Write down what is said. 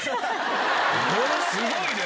すごいね！